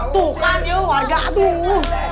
tuh kan dia warga tuh